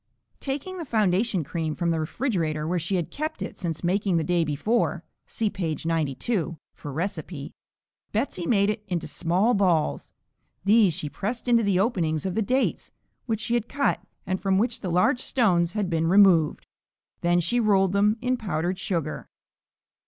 Taking the foundation cream from the refrigerator, where she had kept it since making the day before (see page 92 for recipe), Betsey made it into small balls. These she pressed into the openings of the dates which she had cut and from which the large stones had been removed, then she rolled them in powdered sugar.